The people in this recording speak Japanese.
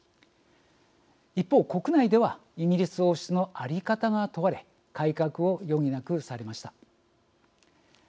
一方、国内ではイギリス王室の在り方が問われ改革を余儀なくされました。